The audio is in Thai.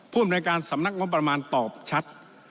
ผู้บริการสำนักงบประมาณตอบชัด